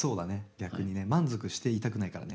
逆にね満足していたくないからね。